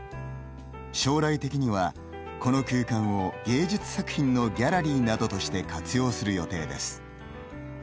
将来的には、この空間を芸術作品のギャラリーなどとして活用する予定です。